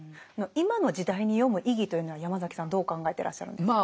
今の時代に読む意義というのはヤマザキさんどう考えてらっしゃるんですか？